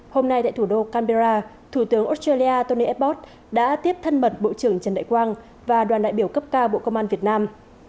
hôm nay tại thủ đô canberra thủ tướng australia tony abbas đã tiếp thân mật bộ trưởng trần đại quang và đoàn đại biểu cấp cao bộ công an việt nam